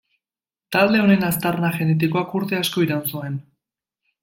Talde honen aztarna genetikoak urte asko iraun zuen.